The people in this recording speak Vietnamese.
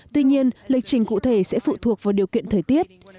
tuy nhiên lịch trình cụ thể sẽ phụ thuộc vào điều kiện thời tiết